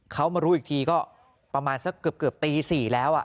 เขามารู้อีกทีก็ประมาณสักเกือบตี๔แล้ว